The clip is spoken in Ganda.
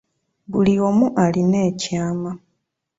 Buli omu alina ekyama.